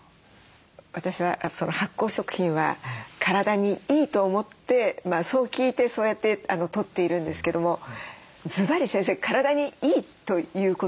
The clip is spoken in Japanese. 私は発酵食品は体にいいと思ってそう聞いてそうやってとっているんですけどもずばり先生体にいいということなんでしょうか？